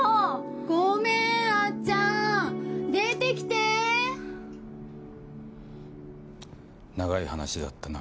ごめんあっちゃん出て来て長い話だったな。